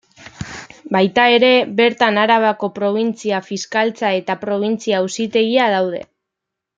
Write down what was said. Baita ere, bertan Arabako Probintzia-Fiskaltza eta Probintzia-Auzitegia daude.